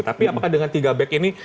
tapi apakah dengan tiga back ini